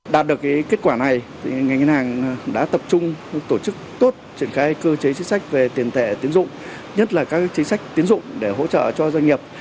đạt được kết quả này ngành ngân hàng đã tập trung tổ chức tốt triển khai cơ chế chính sách về tiền tệ tiến dụng nhất là các chính sách tiến dụng để hỗ trợ cho doanh nghiệp